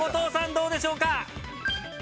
どうでしょうか。